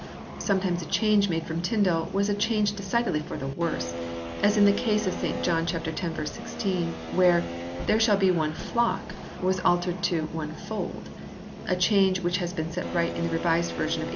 Sometimes a change made from Tyndale was a change decidedly for the worse, as in the case of St John x. 16 where "there shall be one flock " was altered to " one fold" a change which has been set right in the Revised Version of 1881.